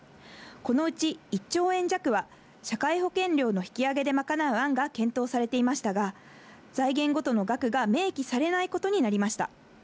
このうち１兆円弱は、社会保険料の引き上げで賄う案が検討されていましたが、財源ごとの額が明記されないことになりました。